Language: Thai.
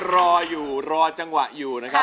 รออยู่รอจังหวะอยู่นะครับ